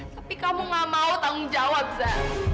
tapi kamu gak mau tanggung jawab za